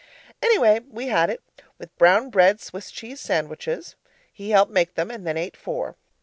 Anyway, we had it, with brown bread Swiss cheese sandwiches. He helped make them and then ate four.